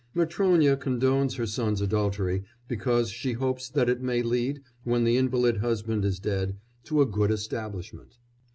Matrónya condones her son's adultery, because she hopes that it may lead, when the invalid husband is dead, to a good establishment.